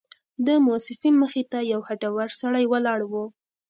د موسسې مخې ته یو هډور سړی ولاړ و.